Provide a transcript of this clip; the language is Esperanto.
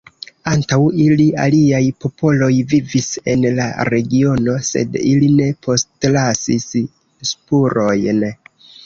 Antaŭ ili, aliaj popoloj vivis en la regiono, sed ili ne postlasis spurojn.